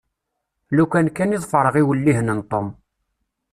Lufan kan i ḍefreɣ iwellihen n Tom.